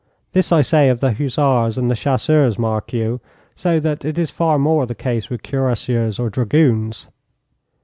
This I say of the hussars and chasseurs, mark you, so that it is far more the case with cuirassiers or dragoons.